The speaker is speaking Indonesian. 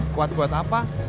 kuat buat apa